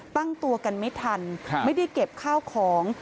ตั้งตัวกันไม่ทันไม่ได้เก็บข้าวของ